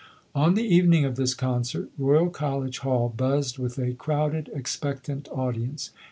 On the evening of this concert, Royal College Hall buzzed with a crowded, expectant audience.